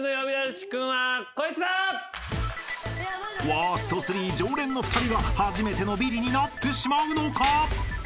［ワースト３常連の２人が初めてのビリになってしまうのか？］